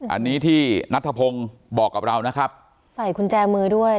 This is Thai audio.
อันนี้ที่นัทธพงศ์บอกกับเรานะครับใส่กุญแจมือด้วย